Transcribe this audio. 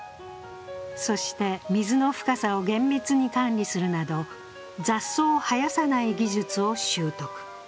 そして、水の深さを厳密に管理するなど、雑草を生やさない技術を習得。